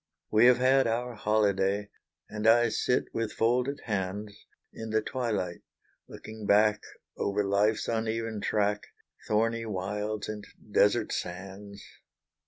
We have had our holyday, And I sit with folded hands, In the twilight looking back Over life's uneven track Thorny wilds, and desert sands.